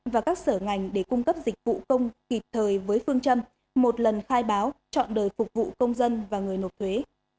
và các sở ngành để cung cấp dịch vụ công kịp thời với phương châm một lần khai báo chọn đời phục vụ công dân và người nộp thuế